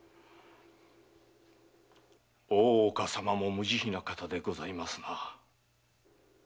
大岡様も無慈悲な方でございますな。